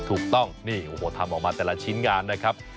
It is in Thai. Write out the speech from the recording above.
ถูกต้องนี่โอ้โหทำออกมาแต่ละชิ้นงานนะครับ